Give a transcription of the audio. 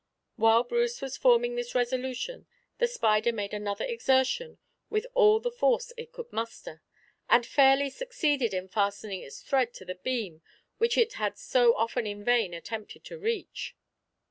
While Bruce was forming this resolution the spider made another exertion with all the force it could muster, and fairly succeeded in fastening its thread to the beam which it had so often in vain attempted to reach.